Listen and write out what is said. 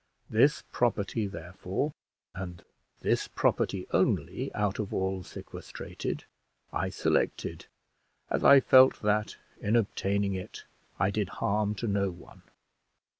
This property, therefore, and this property only, out of all sequestrated, I selected, as I felt that, in obtaining it, I did harm to no one.